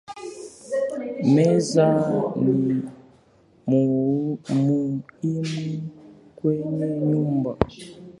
Meza ni muhimu kwenye nyumba